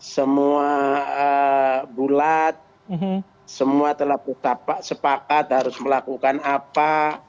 semua bulat semua telah sepakat harus melakukan apa